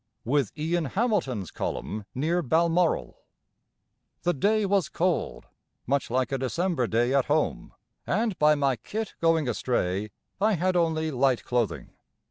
With Ian Hamilton's column near Balmoral. The day was cold, much like a December day at home, and by my kit going astray I had only light clothing.